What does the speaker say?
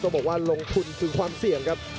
บอกว่าลงทุนถึงความเสี่ยงครับ